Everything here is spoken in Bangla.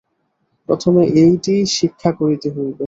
প্রথমে এইটিই শিক্ষা করিতে হইবে।